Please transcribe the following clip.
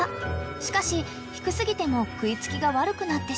［しかし低過ぎても食い付きが悪くなってしまう］